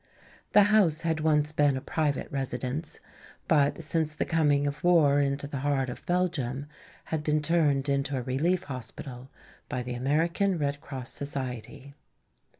The house had once been a private residence, but since the coming of war into the heart of Belgium had been turned into a relief hospital by the American Red Cross Society.